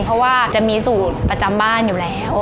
เพราะว่าจะมีสูตรประจำบ้านอยู่แล้ว